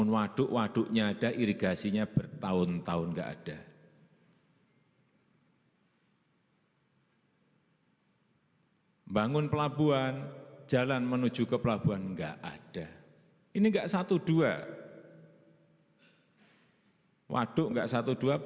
waduk enggak satu dua pelabuhan enggak satu dua